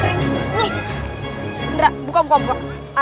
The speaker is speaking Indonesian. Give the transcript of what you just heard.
indra buka muka